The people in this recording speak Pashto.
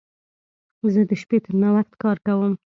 زه د شپې تر ناوخت کار کوم.